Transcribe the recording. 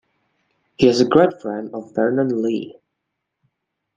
He is a great friend of Vernon Lee.